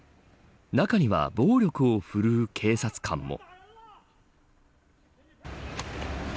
中には暴力を振るう警察官も。